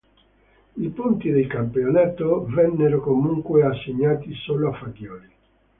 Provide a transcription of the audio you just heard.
I punti del campionato vennero comunque assegnati solo a Fagioli.